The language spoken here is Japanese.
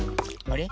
あれ？